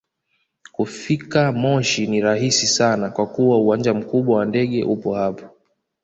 Kufika moshi ni rahisi sana kwa kuwa uwanja mkubwa wa ndege upo hapo